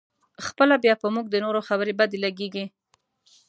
خپله بیا په موږ د نورو خبرې بدې لګېږي.